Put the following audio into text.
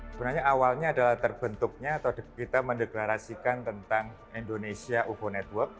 sebenarnya awalnya adalah terbentuknya atau kita mendeklarasikan tentang indonesia over network